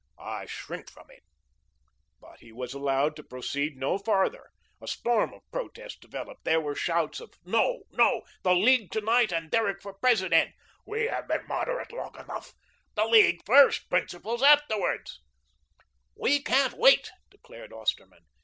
I shrink from it " But he was allowed to proceed no farther. A storm of protest developed. There were shouts of: "No, no. The League to night and Derrick for President." "We have been moderate too long." "The League first, principles afterward." "We can't wait," declared Osterman.